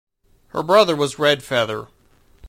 Her brother was Red Feather.